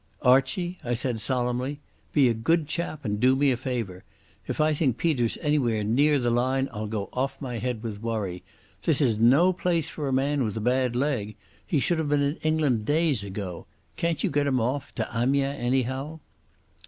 "Archie," I said solemnly, "be a good chap and do me a favour. If I think Peter's anywhere near the line I'll go off my head with worry. This is no place for a man with a bad leg. He should have been in England days ago. Can't you get him off—to Amiens, anyhow?"